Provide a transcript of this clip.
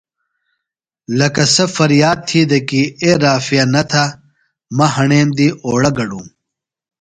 لکہ سےۡ فریاد تھی دےۡ کی اے رافعہ نہ تھہ مہ ہݨیم دی اوڑہ گڈُوم۔